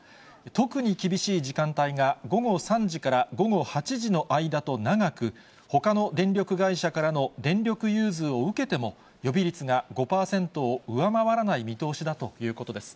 特に厳しい時間帯が午後３時から午後８時の間と長く、ほかの電力会社からの電力融通を受けても、予備率が５％を上回らない見通しだということです。